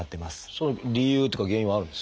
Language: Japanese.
その理由っていうか原因はあるんですか？